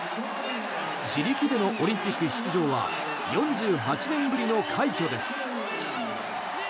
自力でのオリンピック出場は４８年ぶりの快挙です。